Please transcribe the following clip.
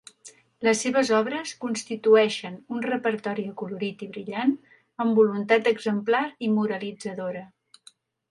Les seves obres constitueixen un repertori acolorit i brillant, amb voluntat exemplar i moralitzadora.